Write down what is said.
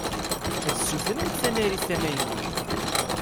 Ad ssutrent tanarit tamaynut.